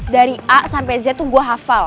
dari a sampe z tuh gue hafal